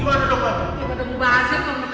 gimana mau bahasnya kok